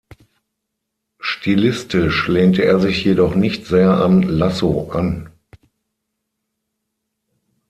Stilistisch lehnte er sich jedoch nicht sehr an Lasso an.